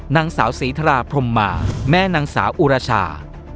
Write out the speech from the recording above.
นางสาวศรีทราพรมมาแม่นางสาวอุราชา